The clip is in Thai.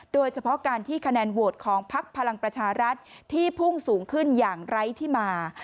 โดยเฉพาะการที่คะแนนโหวตของพักพลังประชารัฐที่พุ่งสูงขึ้นอย่างไร้ที่มา